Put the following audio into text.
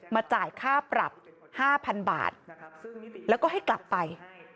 จ่ายค่าปรับ๕๐๐๐บาทแล้วก็ให้กลับไป